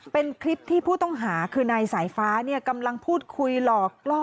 เป็นที่ผู้ต้องหาคือนายสายฟ้าเนี้ยกำลังพูดคุยหลอกกล้อเด็ก